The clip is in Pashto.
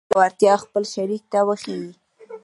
هغه غوښتل خپله وړتيا خپل شريک ته وښيي.